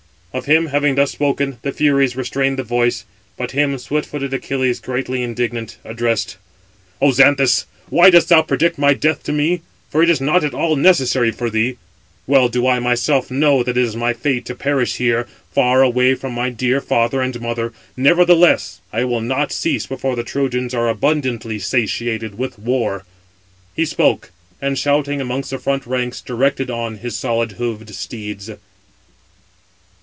Of him, having thus spoken, the Furies restrained the voice: but him swift footed Achilles, greatly indignant, addressed: "O Xanthus, why dost thou predict my death to me? For it is not at all necessary for thee. Well do I myself know that it is my fate to perish here, far away from my dear father and mother. Nevertheless I will not cease before the Trojans are abundantly satiated with war." He spoke, and shouting amongst the front ranks, directed on his solid hoofed steeds.